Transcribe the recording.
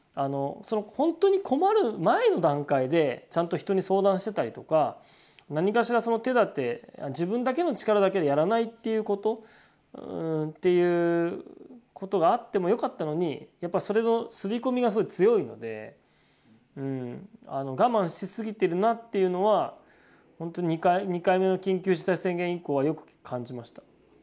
ほんとに困る前の段階でちゃんと人に相談してたりとか何かしらその手だて自分だけの力だけでやらないっていうことっていうことがあってもよかったのにやっぱそれのすり込みが強いので我慢しすぎてるなっていうのはほんと２回目の緊急事態宣言以降はよく感じました。